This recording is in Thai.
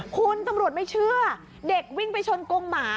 คุณตำรวจไม่เชื่อเด็กวิ่งไปชนกงหมา